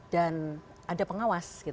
dan ada pengawas